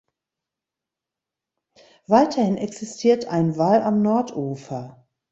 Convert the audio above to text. Weiterhin existiert ein Wall am Nordufer.